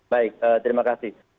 baik terima kasih